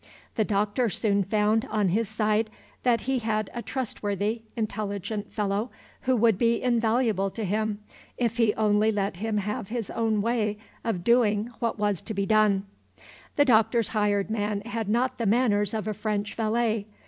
The Doctor soon found, on his side, that he had a trustworthy, intelligent fellow, who would be invaluable to him, if he only let him have his own way of doing what was to be done. The Doctor's hired man had not the manners of a French valet.